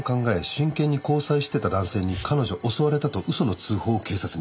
真剣に交際してた男性に彼女襲われたと嘘の通報を警察に。